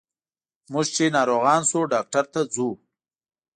موږ چې ناروغان شو ډاکټر ته ځو.